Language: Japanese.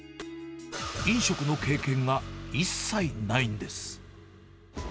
飲食の経験が一切ないんです。